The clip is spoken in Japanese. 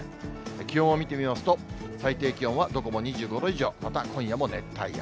気温を見てみますと、最低気温はどこも２５度以上、また今夜も熱帯夜。